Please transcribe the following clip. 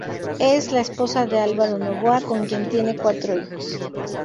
Es la esposa de Álvaro Noboa, con quien tiene cuatro hijos.